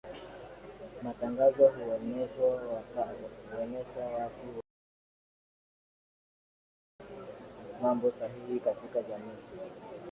matangazo huonesha watu wakifanya mambo sahihi katika jamii